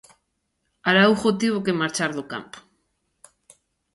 Araújo tivo que marchar do campo.